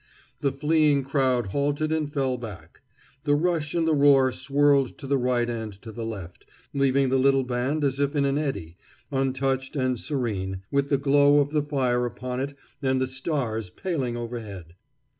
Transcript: The fleeing crowd halted and fell back. The rush and the roar swirled to the right and to the left, leaving the little band as if in an eddy, untouched and serene, with the glow of the fire upon it and the stars paling overhead.